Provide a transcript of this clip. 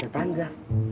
hah ada tangga